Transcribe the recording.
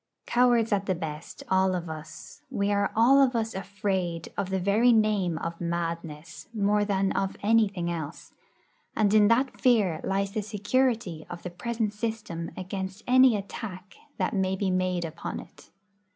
Cowards at the best, all of us, we are all of us afraid of the very name of 'madness' more than of anything else; and in that fear lies the security of the present system against any attack that may be made upon it.